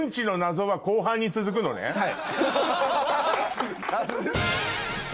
はい。